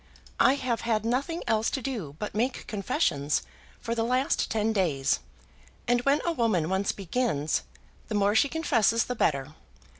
I have had nothing else to do but make confessions for the last ten days, and when a woman once begins, the more she confesses the better.